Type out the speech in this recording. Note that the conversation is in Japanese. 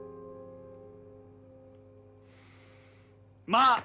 まあ